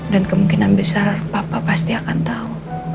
dan kemungkinan besar papa pasti akan tahu